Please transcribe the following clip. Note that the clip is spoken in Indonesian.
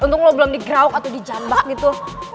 untung lo belum digrauk atau di jambak gitu